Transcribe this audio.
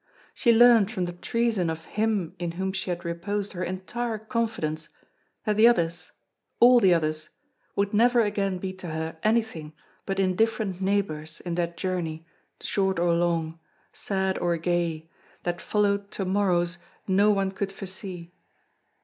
She learned from the treason of him in whom she had reposed her entire confidence that the others, all the others, would never again be to her anything but indifferent neighbors in that journey short or long, sad or gay, that followed to morrows no one could foresee.